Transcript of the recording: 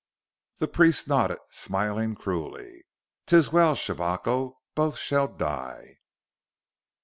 The priest nodded, smiling cruelly. "'Tis well, Shabako. Both shall die!"